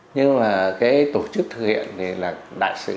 nhưng mà cái tổ chức thực hiện thì là đại sự